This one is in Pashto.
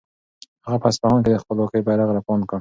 هغه په اصفهان کې د خپلواکۍ بیرغ رپاند کړ.